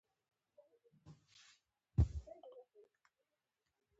ملګری د امید نغمه ده